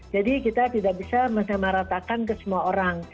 jadi kita tidak bisa menamaratakan ke semua orang